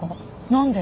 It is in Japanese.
なんで？